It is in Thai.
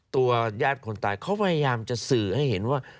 ญาติคนตายเขาพยายามจะสื่อให้เห็นว่า